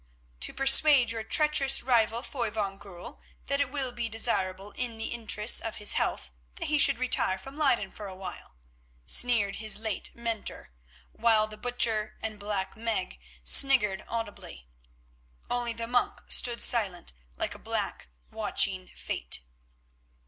"To persuade your treacherous rival, Foy van Goorl, that it will be desirable in the interests of his health that he should retire from Leyden for a while," sneered his late mentor, while the Butcher and Black Meg sniggered audibly. Only the monk stood silent, like a black watching fate.